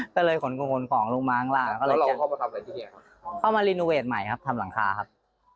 ก็เลยขนของลงมาข้างล่างก็เลยลองเข้ามารีโนเวทใหม่ครับทำหลังคาครับ